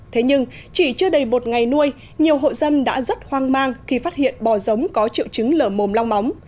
thế nhưng chỉ chưa đầy một ngày nuôi nhiều hộ dân đã rất hoang mang khi phát hiện bò giống có triệu chứng lở mồm long móng